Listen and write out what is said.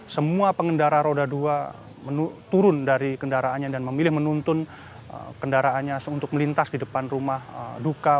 semua pengendara roda dua turun dari kendaraannya dan memilih menuntun kendaraannya untuk melintas di depan rumah duka